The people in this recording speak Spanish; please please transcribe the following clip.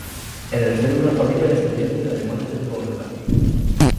En el seno de una familia descendiente de alemanes del Volga.